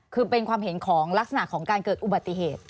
คือเป็นความเห็นของลักษณะของการเกิดอุบัติเหตุ